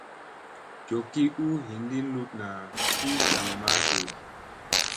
Jokki u hiindi luɗna ki gaŋ ma dew.